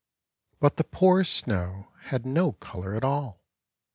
But the poor Snow had no colour at all.